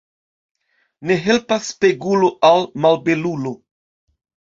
Ne helpas spegulo al malbelulo.